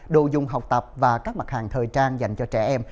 đồ dùng học tập và các mặt hàng thời trang dành cho trẻ em